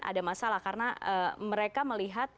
ada masalah karena mereka melihat